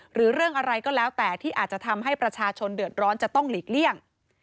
หรือเรื่องอะไรก็แล้วแต่ที่อาจจะทำให้ประชาชนเดือดร้อนจะต้องหลีกเลี่ยง